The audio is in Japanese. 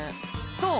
そう。